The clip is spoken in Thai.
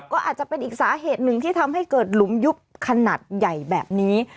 ก็อาจจะเป็นอีกสาเหตุหนึ่งที่ทำให้เกิดหลุมยุบขนาดใหญ่แบบนี้